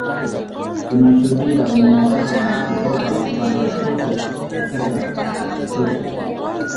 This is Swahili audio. Tunashuhudia unyanyasaji kutoka pande zote katika mzozo